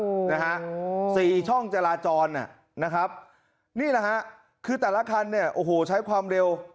โอ้โหนะฮะ๔ช่องจราจรนะครับนี่นะฮะคือแต่ละคันเนี่ยโอ้โหใช้ความเร็ว